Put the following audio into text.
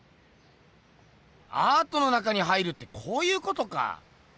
アートの中に入るってこういうことか。